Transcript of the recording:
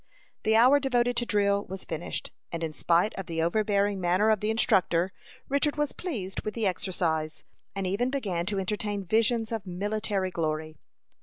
The hour devoted to drill was finished, and in spite of the overbearing manner of the instructor, Richard was pleased with the exercise, and even began to entertain visions of military glory.